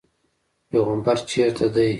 پیغمبر چېرته دی.